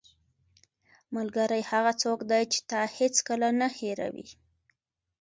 ملګری هغه څوک دی چې تا هیڅکله نه هېروي.